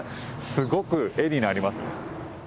すごく絵になりますね。